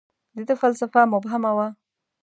• د ده فلسفه مبهمه وه.